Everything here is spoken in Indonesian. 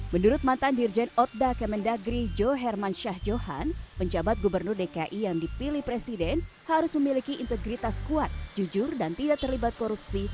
menurut mantan dirjen otda kemendagri jo herman syahjohan penjabat gubernur dki yang dipilih presiden harus memiliki integritas kuat jujur dan tidak terlibat korupsi